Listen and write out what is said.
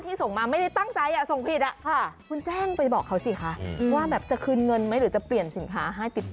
เหมือนยังคิดว่าคุณไม่สนใจ